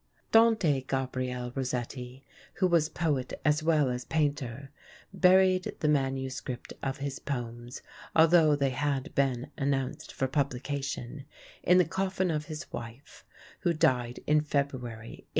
_] Dante Gabriel Rossetti, who was poet as well as painter, buried the manuscript of his poems, although they had been announced for publication, in the coffin of his wife, who died in February, 1862.